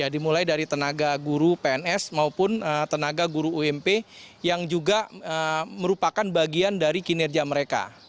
dimulai dari tenaga guru pns maupun tenaga guru ump yang juga merupakan bagian dari kinerja mereka